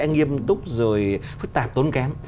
nghiêm túc rồi phức tạp tốn kém